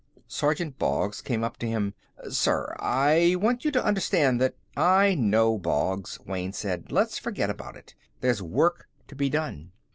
Sergeant Boggs came up to him. "Sir, I want you to understand that " "I know, Boggs," Wayne said. "Let's forget all about it. There's work to be done."